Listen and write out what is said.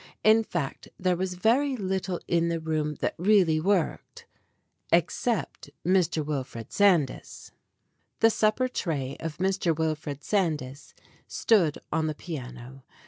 In fact, there was very little in the room that really worked except Mr. Wilfred Sandys. The supper tray of Mr. Wilfred Sandys stood on the piano.